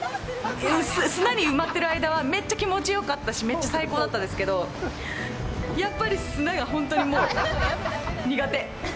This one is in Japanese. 砂に埋まってる間はめっちゃ気持ちよかったしめっちゃ最高だったんですけどやっぱり砂が本当にもう苦手。